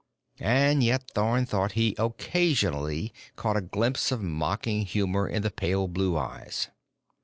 And yet Thorn thought he occasionally caught a glimpse of mocking humor in the pale blue eyes.